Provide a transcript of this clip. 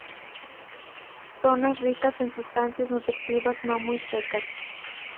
Zonas ricas en sustancias nutritivas no muy secas.